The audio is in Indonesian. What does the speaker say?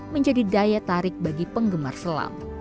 menjadi daya tarik bagi penggemar selam